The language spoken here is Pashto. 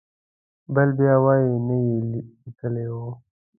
بل بیا وایي نه یې لیکلی و.